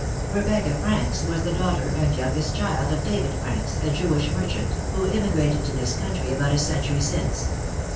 Rebecca Franks was the daughter and youngest child of David Franks, a Jewish merchant, who emigrated to this country about a century since.